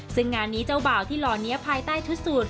ซึ่งงานนี้เจ้าเบากี่หล่อนี๊ยะภายใต้ทุสูจน์